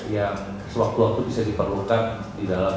yang sewaktu waktu bisa diperlukan di dalam